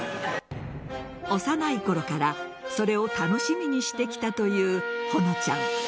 幼いころからそれを楽しみにしてきたという穂乃ちゃん。